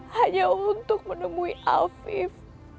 hanya untuk menemui alvif